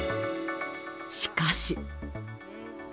しかし。